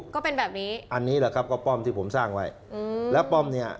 ก็เป็นแบบนี้อันนี้แหละครับก็ป้อมที่ผมสร้างไว้อืมแล้วป้อมเนี่ย